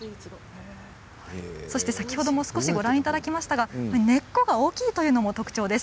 そして先ほども少しご覧いただきましたが根っこが大きいというのも特徴です。